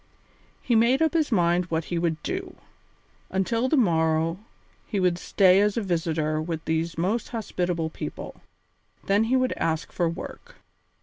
He made up his mind what he would do. Until the morrow he would stay as a visitor with these most hospitable people, then he would ask for work.